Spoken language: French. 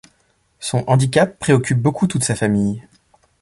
Son handicap préoccupe beaucoup toute sa famille.